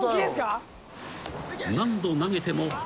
［何度投げても］